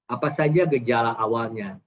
apa saja gejala awalnya